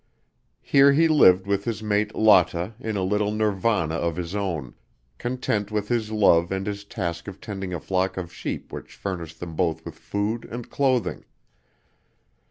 Here he lived with his mate Lotta in a little Nirvana of his own, content with his love and his task of tending a flock of sheep which furnished them both with food and clothing.